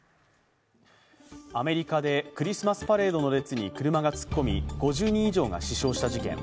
アメリカでクリスマスパレードの列に車が突っ込み５０人以上が死傷した事件。